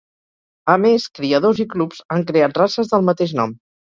A més, criadors i clubs han creat races del mateix nom.